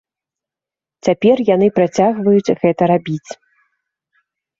Цяпер яны працягваюць гэта рабіць.